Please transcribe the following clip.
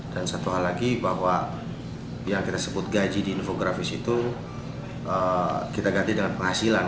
dan satu hal lagi bahwa yang kita sebut gaji di infografis itu kita ganti dengan penghasilan